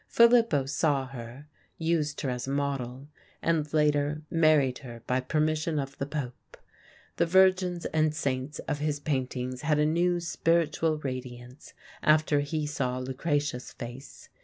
Filippo saw her, used her as a model, and later married her by permission of the Pope. The virgins and saints of his paintings had a new spiritual radiance after he saw Lucrezia's face.